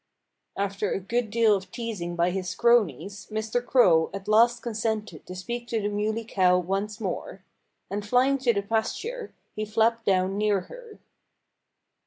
After a good deal of teasing by his cronies Mr. Crow at last consented to speak to the Muley Cow once more. And flying to the pasture, he flapped down near her.